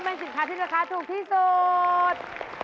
เป็นสินค้าที่ราคาถูกที่สุด